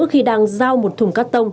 khi đang giao một thùng carton